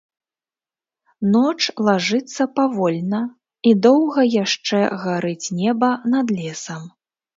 Ноч лажыцца павольна, і доўга яшчэ гарыць неба над лесам.